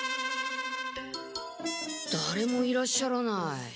だれもいらっしゃらない。